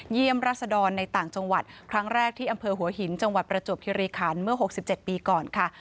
รัศดรในต่างจังหวัดครั้งแรกที่อำเภอหัวหินจังหวัดประจวบคิริขันเมื่อ๖๗ปีก่อนค่ะ